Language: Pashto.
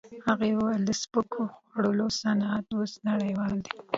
هغه وویل د سپکو خوړو صنعت اوس نړیوال دی.